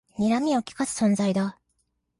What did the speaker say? にらみをきかす存在だ